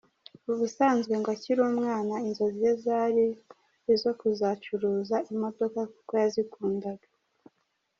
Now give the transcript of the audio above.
Ubusanzwe ngo akiri mu umwana inzozi ze zari izo kuzacuruza imodoka kuko yazikundaga.